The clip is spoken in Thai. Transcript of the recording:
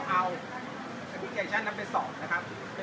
สวัสดีครับ